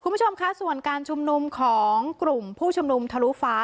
คุณผู้ชมคะส่วนการชุมนุมของกลุ่มผู้ชุมนุมทะลุฟ้า